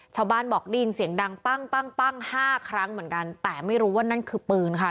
ชาวบ้านบอกได้ยินเสียงดังปั้งปั้งปั้งห้าครั้งเหมือนกันแต่ไม่รู้ว่านั่นคือปืนค่ะ